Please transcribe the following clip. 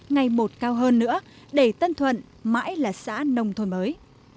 ngày một cao hơn nữa để tân thuận mãi là xã nông thôn mới